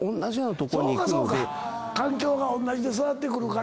環境が同じで育ってくるから。